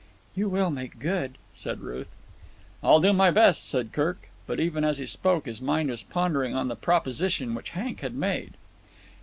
"You will make good," said Ruth. "I'll do my best," said Kirk. But even as he spoke his mind was pondering on the proposition which Hank had made.